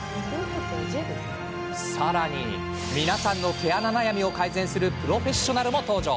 さらに皆さんの毛穴悩みを改善するプロフェッショナルも登場。